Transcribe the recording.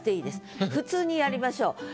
普通にやりましょう。